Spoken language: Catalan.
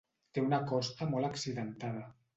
Té una costa molt accidentada.